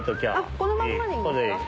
このまんまでいいんですか？